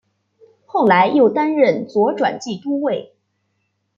后来又担任左转骑都尉。